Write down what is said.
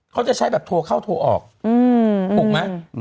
เขาจะใช้แบบโทรเข้าโทรออกถูกไหม